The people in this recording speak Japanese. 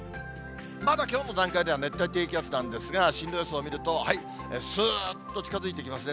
まだきょうの段階では熱帯低気圧なんですが、進路予想を見ると、すーっと近づいてきますね。